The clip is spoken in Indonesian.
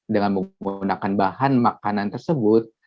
dengan menggunakan bahan makanan tersebut